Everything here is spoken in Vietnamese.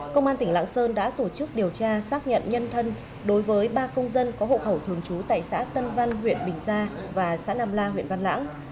công an tỉnh lạng sơn đã tổ chức điều tra xác nhận nhân thân đối với ba công dân có hộ khẩu thường trú tại xã tân văn huyện bình gia và xã nam la huyện văn lãng